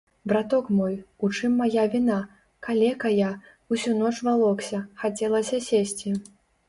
Браток мой, у чым мая віна, калека я, усю ноч валокся, хацелася сесці.